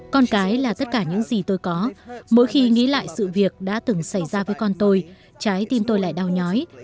con cái là tất cả những gì tôi có mỗi khi nghĩ lại sự việc đã từng xảy ra với con tôi trái tim tôi lại đau nhói